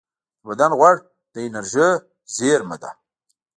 د بدن غوړ د انرژۍ زېرمه ده